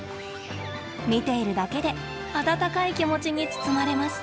見ているだけで温かい気持ちに包まれます。